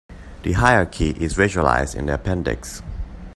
The hierarchy is visualized in the appendix.